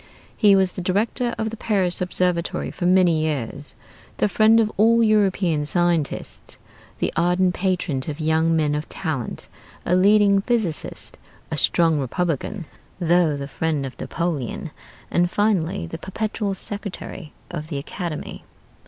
He was the Director of the Paris Observatory for many years; the friend of all European scientists; the ardent patron of young men of talent; a leading physicist; a strong Republican, though the friend of Napoleon; and finally the Perpetual Secretary of the Academy.